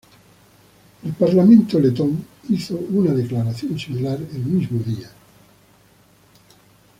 El parlamento letón hizo una declaración similar el mismo día.